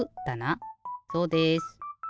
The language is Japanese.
そうです。